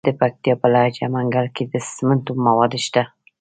د پکتیا په لجه منګل کې د سمنټو مواد شته.